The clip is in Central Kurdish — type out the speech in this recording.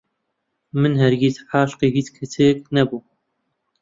من هەرگیز عاشقی هیچ کچێک نەبووم.